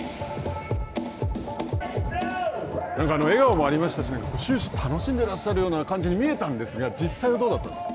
なんか笑顔もありましたし終始楽しんでらっしゃるような感じに見えたんですが、実際はどうだったんですか。